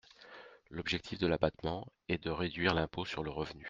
L’objectif de l’abattement est de réduire l’impôt sur le revenu.